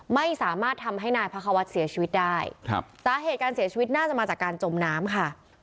ไม่สามารถทำให้นายพระควัฒน์เสียชีวิตได้ครับสาเหตุการเสียชีวิตน่าจะมาจากการจมน้ำค่ะ